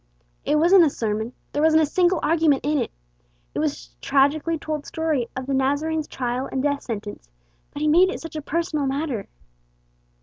It wasn't a sermon. There wasn't a single argument in it. It was just a tragically told story of the Nazarene's trial and death sentence but he made it such a personal matter.